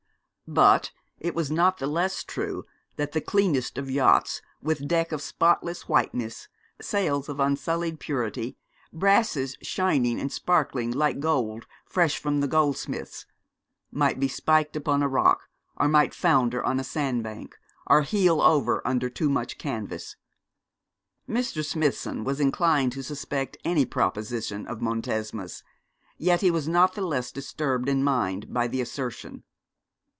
But it was not the less true that the cleanest of yachts, with deck of spotless whiteness, sails of unsullied purity, brasses shining and sparkling like gold fresh from the goldsmith's, might be spiked upon a rock, or might founder on a sand bank, or heel over under too much canvas. Mr. Smithson was inclined to suspect any proposition of Montesma's; yet he was not the less disturbed in mind by the assertion.